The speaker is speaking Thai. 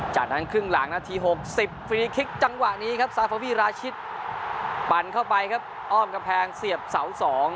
จากนั้นครึ่งหลังนาที๖๐ฟรีคลิกจังหวะนี้ครับซาฟาวีราชิตปั่นเข้าไปครับอ้อมกำแพงเสียบเสา๒